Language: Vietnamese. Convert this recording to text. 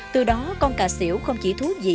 từ đó con cà xỉu không chỉ thú vị